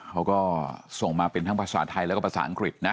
เขาก็ส่งมาเป็นทั้งภาษาไทยแล้วก็ภาษาอังกฤษนะ